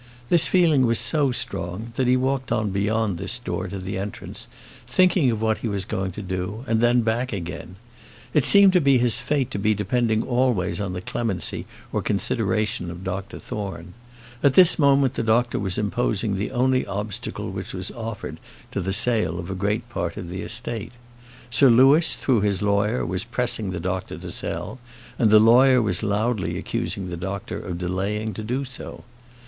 This feeling was so strong, that he walked on beyond this door to the entrance, thinking of what he was going to do, and then back again. It seemed to be his fate to be depending always on the clemency or consideration of Dr Thorne. At this moment the doctor was imposing the only obstacle which was offered to the sale of a great part of his estate. Sir Louis, through his lawyer, was pressing the doctor to sell, and the lawyer was loudly accusing the doctor of delaying to do so.